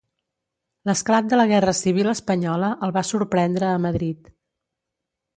L'esclat de la Guerra Civil Espanyola el va sorprendre a Madrid.